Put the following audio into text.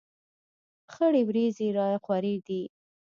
خړې ورېځې را خورې دي.